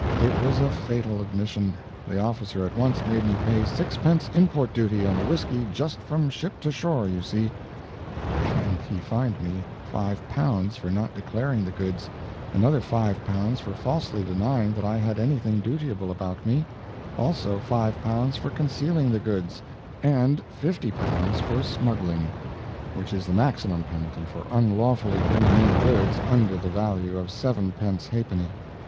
"It was a fatal admission. The officer at once made me pay sixpence import duty on the whisky just from ship to shore, you see; and he fined me L5 for not declaring the goods, another L5 for falsely denying that I had anything dutiable about me, also L5 for concealing the goods, and L50 for smuggling, which is the maximum penalty for unlawfully bringing in goods under the value of sevenpence ha'penny.